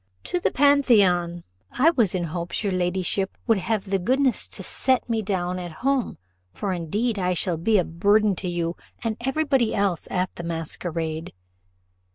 "To the Pantheon! I was in hopes your ladyship would have the goodness to set me down at home; for indeed I shall be a burden to you and everybody else at the masquerade."